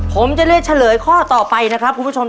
ผมจะเลือกเฉลยข้อต่อไปนะครับคุณผู้ชม